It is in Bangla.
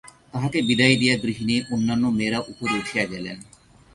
তাঁহাকে বিদায় দিয়া গৃহিণী, অন্যান্য মেয়েরা উপরে উঠিয়া গেলেন।